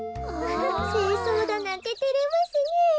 せいそうだなんててれますねえ。